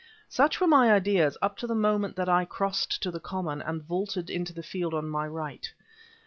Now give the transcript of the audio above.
Such were my ideas up to the moment that I crossed to the common and vaulted into the field on my right.